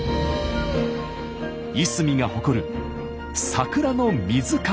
いすみが誇る桜の水鏡。